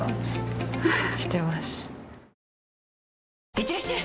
いってらっしゃい！